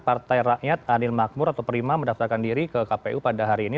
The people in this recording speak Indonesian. partai rakyat adil makmur atau prima mendaftarkan diri ke kpu pada hari ini